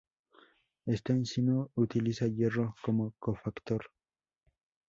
Esta enzima utiliza hierro como cofactor.